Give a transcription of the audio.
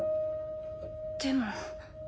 でも。